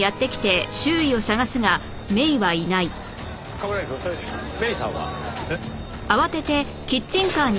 冠城くん芽依さんは？えっ？